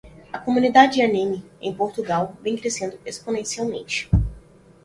A comunidade animé em Portugal vem crescendo exponencialmente.